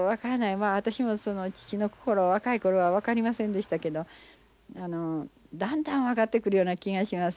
まあ私も父の心は若い頃は分かりませんでしたけどだんだん分かってくるような気がします。